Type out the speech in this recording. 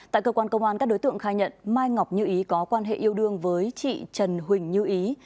tại cơ quan công an các đối tượng khai nhận mai ngọc như ý có quan hệ yêu đương với chị trần huỳnh như ý